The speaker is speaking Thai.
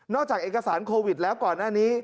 จากเอกสารโควิดแล้วก่อนหน้านี้